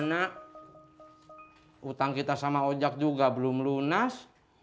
nah utang kita sama ojak juga belum lunas